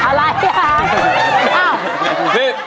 อะไรฮะ